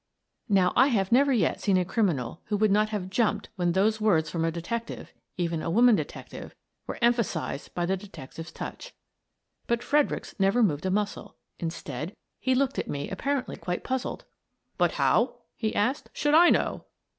Now, I have never yet seen a criminal who would not have jumped when those words from a detec tive — even a woman detective — were emphasized by the detective's touch. But Fredericks never moved a muscle. Instead, he looked at me appar ently quite puzzled. " But how," he asked, " should I know?